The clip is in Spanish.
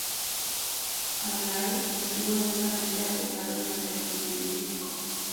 Adrar estuvo densamente poblada durante el Neolítico.